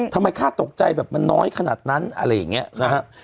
ค่าตกใจแบบมันน้อยขนาดนั้นอะไรอย่างนี้นะฮะ